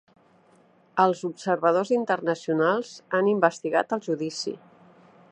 Els observadors internacionals han investigat el judici